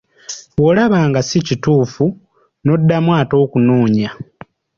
Bw'olaba nga ssi kituufu, n'oddamu ate okunoonya.